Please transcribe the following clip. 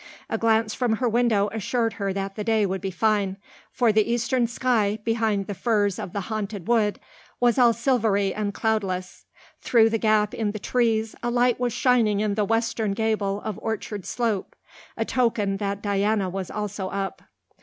A glance from her window assured her that the day would be fine, for the eastern sky behind the firs of the Haunted Wood was all silvery and cloudless. Through the gap in the trees a light was shining in the western gable of Orchard Slope, a token that Diana was also up.